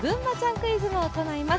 クイズも行います。